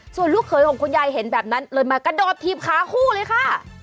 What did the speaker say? ส่วนลูกเขยของคุณยายเห็นแบบนั้นเลยมากระโดดถีบขาคู่เลยค่ะ